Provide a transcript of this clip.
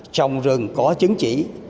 trồng rừng có chứng chỉ